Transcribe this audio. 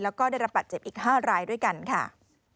แล้วก็ได้รับบัตรเจ็บอีก๕รายด้วยกันค่ะ